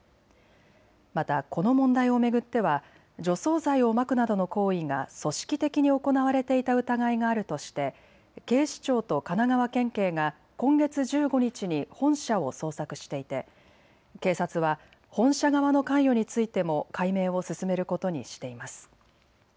また、この問題を巡っては除草剤をまくなどの行為が組織的に行われていた疑いがあるとして警視庁と神奈川県警が今月１５日に本社を捜索していて警察は本社側の関与についても解明を進めることにしています。